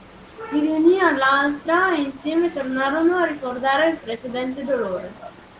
Si riunì all'altra e insieme tornarono a ricordare il precedente dolore.